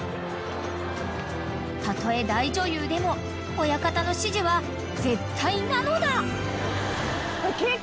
［たとえ大女優でも親方の指示は絶対なのだ］